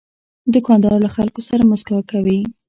دوکاندار له خلکو سره مسکا کوي.